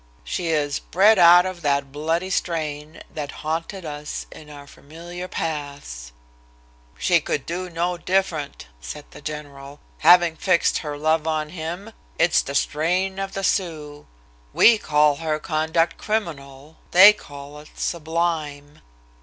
"She is "'Bred out of that bloody strain That haunted us in our familiar paths.'" "She could do no different," said the general, "having fixed her love on him. It's the strain of the Sioux. We call her conduct criminal: they call it sublime."